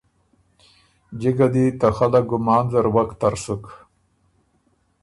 جکه دی ته خلق ګمان زر وک تر سُک۔